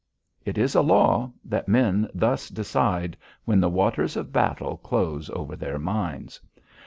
It is a law that men thus decide when the waters of battle close over their minds.